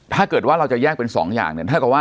ถ้าเกิดว่าเราจะแยกเป็นสองอย่าง